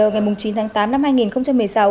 ngày chín tháng tám năm hai nghìn một mươi sáu